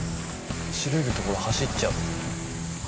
走れるところ走っちゃう。